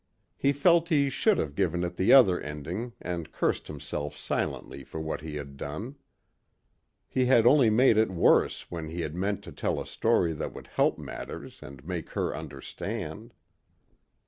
He felt he should have given it the other ending and cursed himself silently for what he had done. He had only made it worse when he had meant to tell a story that would help matters and make her understand....